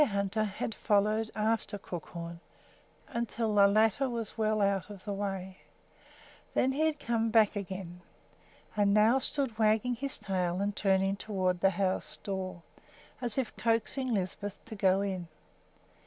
Bearhunter had followed after Crookhorn until the latter was well out of the way; then he had come back again, and now stood wagging his tail and turning toward the house door as if coaxing Lisbeth to go in.